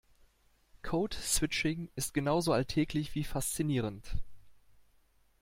Code Switching ist genauso alltäglich wie faszinierend.